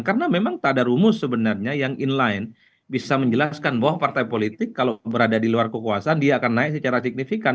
karena memang tak ada rumus sebenarnya yang inline bisa menjelaskan bahwa partai politik kalau berada di luar kekuasaan dia akan naik secara signifikan